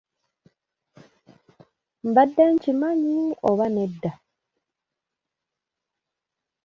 Mbadde nkimanyi oba nedda?